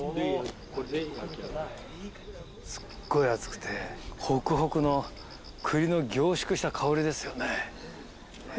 すっごい熱くてホクホクの栗の凝縮した香りですよね。